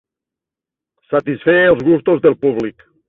Satisfer els gustos del públic.